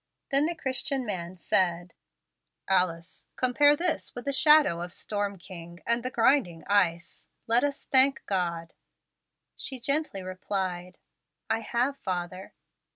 Then the Christian man said, "Alice, compare this with the shadow of 'Storm King,' and the grinding ice. Let us thank God." She gently replied, "I have, father."